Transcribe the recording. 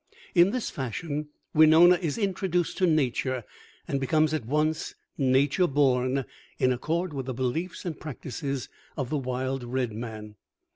In this fashion Winona is introduced to nature and becomes at once "nature born," in accord with the beliefs and practices of the wild red man.